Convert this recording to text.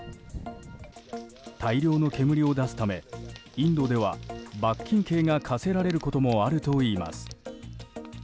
大量の煙を出すためインドでは罰金刑が科せられることもあるといいます。